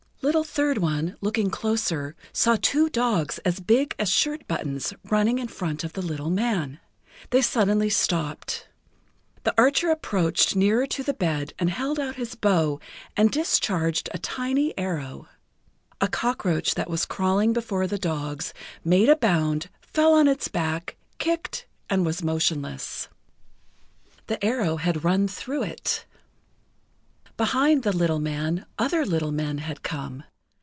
Little Third One, looking closer, saw two dogs as big as shirt buttons, running in front of the little man. They suddenly stopped. The archer approached nearer to the bed, and held out his bow, and discharged a tiny arrow. A cockroach that was crawling before the dogs, made a bound, fell on its back, kicked, and was motionless. The arrow had run through it. Behind the little man, other little men had come.